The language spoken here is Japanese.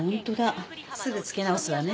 すぐ付け直すわね。